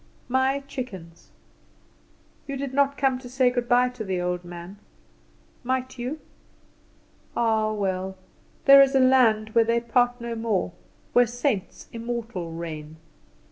"My Chickens: You did not come to say good bye to the old man. Might you? Ah, well, there is a land where they part no more, where saints immortal reign.